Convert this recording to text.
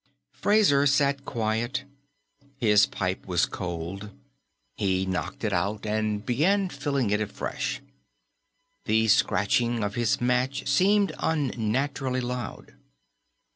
Fraser sat quiet. His pipe was cold, he knocked it out and began filling it afresh. The scratching of his match seemed unnaturally loud.